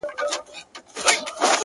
ما وېل سفر کومه ځمه او بیا نه راځمه،